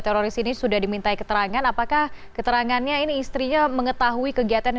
teroris ini sudah diminta keterangan apakah keterangannya ini istrinya mengetahui kegiatan